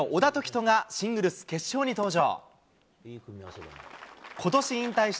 人がシングルス決勝に登場。